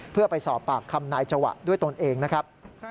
เพื่อไปสอบปากคำนายจวะด้วยตนเองนะครับ